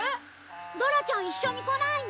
ドラちゃん一緒に来ないの？